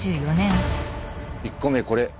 １個目これ。